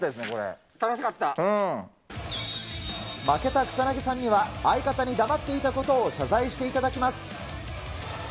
負けた草薙さんには、相方に黙っていたことを謝罪していただきます。